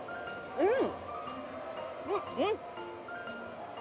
うん！